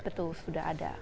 betul sudah ada